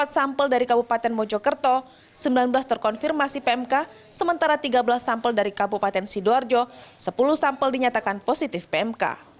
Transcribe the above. empat sampel dari kabupaten mojokerto sembilan belas terkonfirmasi pmk sementara tiga belas sampel dari kabupaten sidoarjo sepuluh sampel dinyatakan positif pmk